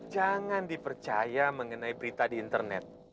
jangan dipercaya mengenai berita di internet